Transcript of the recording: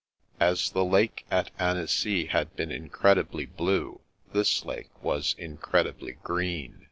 As the lake at Annecy had been incredibly blue, this lake was incredibly green.